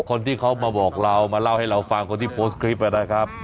คนที่เขามาบอกเรามาเล่าให้เราฟังคนที่โพสต์คลิปนะครับ